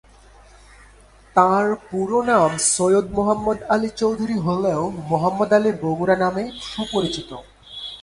তাঁর পুরো নাম "সৈয়দ মোহাম্মদ আলী চৌধুরী" হলেও "মোহাম্মদ আলী বগুড়া" নামেই তিনি সুপরিচিত।